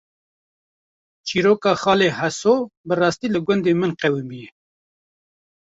Çîroka “Xalê Heso” bi rastî li gundê min qewîmiye